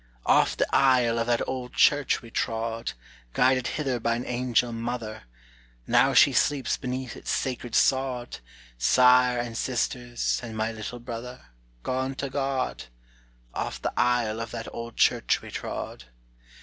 "Oft the aisle of that old church we trod, Guided hither by an angel mother; Now she sleeps beneath its sacred sod; Sire and sisters, and my little brother, Gone to God! Oft the aisle of that old church we trod.